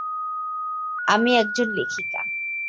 আমি একজন লেখিকা।